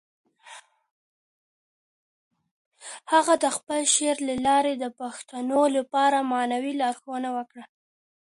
هغه د خپل شعر له لارې د پښتنو لپاره معنوي لارښوونه وکړه.